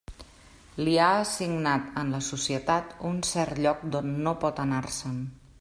Li ha assignat en la societat un cert lloc d'on no pot anar-se'n.